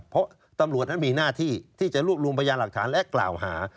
เพราะตำรวจนั้นมีหน้าที่ที่จะรวบรวมพยานหลักฐานและกล่าวหา